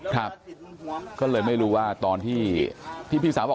ครับก็เลยไม่รู้ว่าตอนที่พี่สาวบอก